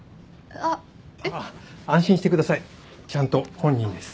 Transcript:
安心してください。ちゃんと本人です。